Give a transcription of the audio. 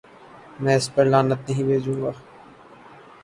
میں اس پر لعنت نہیں بھیجوں گا۔